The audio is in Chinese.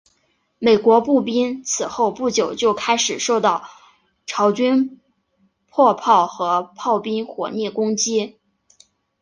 美军步兵此后不久就开始受到朝军迫炮和炮兵火力攻击。